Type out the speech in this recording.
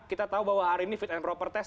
kita tahu bahwa hari ini fit and proper test